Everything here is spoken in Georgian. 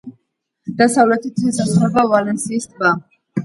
დასავლეთით ესაზღვრება ვალენსიის ტბა.